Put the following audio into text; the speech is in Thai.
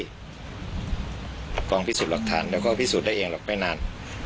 บอกว่าพิสูจน์ลักษณ์และพิสูจน์ได้เองหลังไปนาน